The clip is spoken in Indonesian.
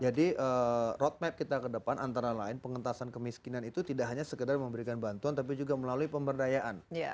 jadi road map kita ke depan antara lain pengentasan kemiskinan itu tidak hanya sekedar memberikan bantuan tapi juga melalui pemberdayaan